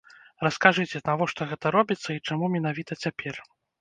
Раскажыце, навошта гэта робіцца і чаму менавіта цяпер?